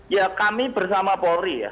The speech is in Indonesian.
ya kami bersama polri ya